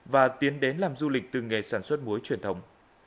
và tiến đến làm du lịch từ nghề sản xuất muối truyền thống